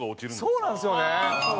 そうなんですよね。